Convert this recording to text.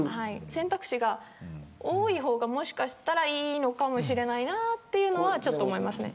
選択肢が多い方がもしかしたらいいのかもしれないなというのはちょっと思いますね。